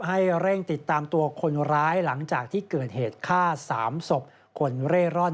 ให้เร่งติดตามตัวคนร้ายหลังจากที่เกิดเหตุฆ่า๓ศพคนเร่ร่อน